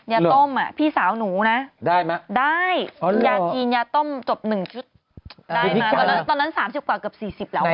ยาต้มพี่สาวหนูนะได้ยาจีนยาต้มจบหนึ่งคิดได้ไหมตอนนั้น๓๐กว่าเกือบ๔๐แล้ว